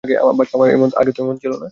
বাছা আমার তো আগে এমন ছিল না।